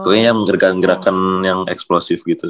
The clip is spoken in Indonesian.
pokoknya yang gerakan gerakan yang eksplosif gitu